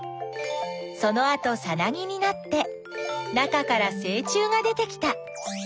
そのあとさなぎになって中からせい虫が出てきた。